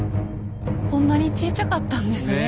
こんなにちいちゃかったんですね